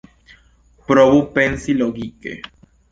Provu pensi logike.